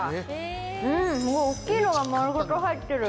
おっきいのが丸ごと入ってる。